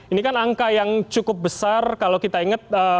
ini kan angka yang cukup besar kalau kita ingat